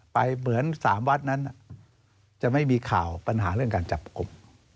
เหมือน๓วัดนั้นจะไม่มีข่าวปัญหาเรื่องการจับกลุ่ม